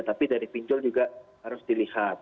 tapi dari pinjol juga harus dilihat